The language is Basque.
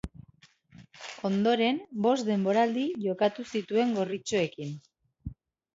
Ondoren, bost denborali jokatu zituen gorritxoekin.